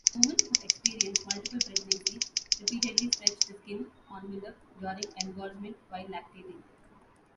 Women who experience multiple pregnancies repeatedly stretch the skin envelope during engorgement while lactating.